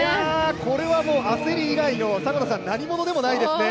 これは焦り以外のなにものでもないですね。